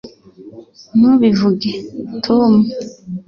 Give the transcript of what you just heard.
ntubivuge, tom